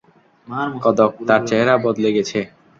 কদক, তার চেহারা বদলে গেছে।